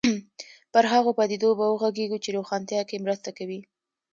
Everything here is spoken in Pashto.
پر هغو پدیدو به وغږېږو چې روښانتیا کې مرسته کوي.